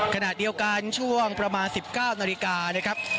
ขณะเดียวกันช่วงประมาณ๑๙น